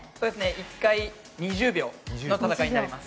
１回２０秒の戦いになります。